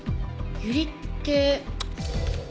ユリって。